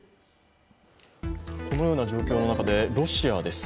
このような状況の中でロシアです。